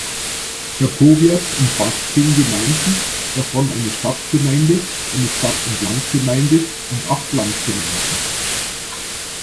Der Powiat umfasst zehn Gemeinden, davon eine Stadtgemeinde, eine Stadt-und-Land-Gemeinde und acht Landgemeinden.